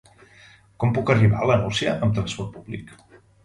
Com puc arribar a la Nucia amb transport públic?